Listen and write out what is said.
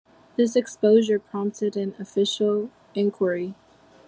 This exposure prompted an official enquiry.